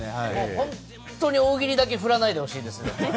本当に大喜利だけふらないでほしいですね。